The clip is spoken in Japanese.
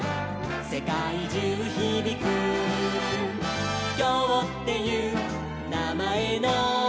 「せかいじゅうひびく」「きょうっていうなまえの」